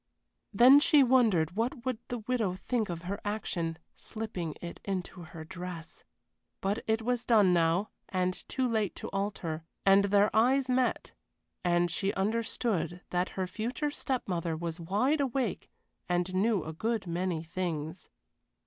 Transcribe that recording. Then she wondered what would the widow think of her action, slipping it into her dress but it was done now, and too late to alter. And their eyes met, and she understood that her future step mother was wide awake and knew a good many things.